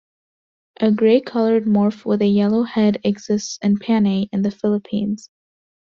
A gray-colored morph with a yellow head exists in Panay, in the Philippines.